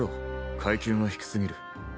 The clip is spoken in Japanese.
階級が低すぎる。